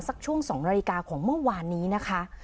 ช่วง๒นาฬิกาของเมื่อวานนี้นะคะ